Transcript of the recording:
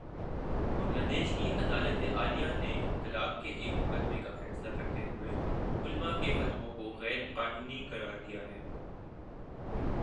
بنگلہ دیش کی عدالتِ عالیہ نے طلاق کے ایک مقدمے کا فیصلہ کرتے ہوئے علما کے فتووں کو غیر قانونی قرار دیا ہے